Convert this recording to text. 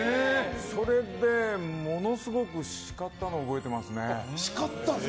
それで、ものすごく叱ったのを覚えてますね。